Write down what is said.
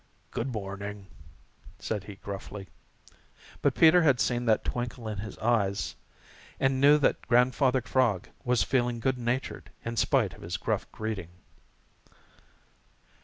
"Good morning," said he gruffly. But Peter had seen that twinkle in his eyes and knew that Grandfather Frog was feeling good natured in spite of his gruff greeting.